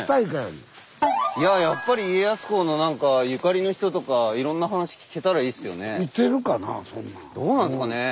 やっぱり家康公の何かゆかりの人とかいろんな話聞けたらいいですよね。